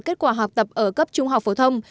kết quả học tập ở cấp trung học phổ thông